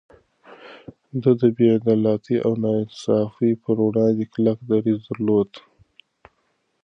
ده د بې عدالتۍ او ناانصافي پر وړاندې کلک دريځ درلود.